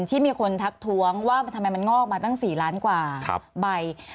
ที่มีคนทักท้วงว่าทำไมมันงอกมาตั้ง๔ล้านกว่าใบ